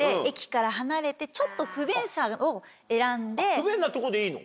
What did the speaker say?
不便なとこでいいの？